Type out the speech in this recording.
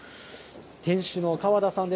店主の川田さんです。